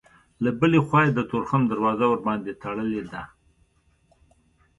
له بلې خوا یې د تورخم دروازه ورباندې تړلې ده.